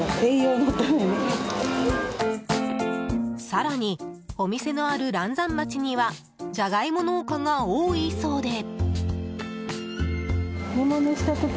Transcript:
更に、お店のある嵐山町にはジャガイモ農家が多いそうで。